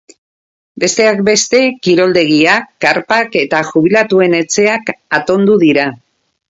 Besteak beste, kiroldegiak, karpak eta jubilatuen etxeak atondu dira.